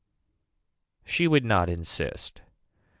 She would not insist.